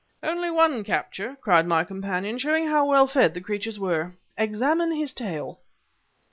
"Only one capture!" cried my companion, "showing how well fed the creatures were. Examine his tail!"